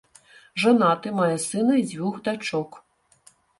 Жанаты, мае сына і дзвюх дачок.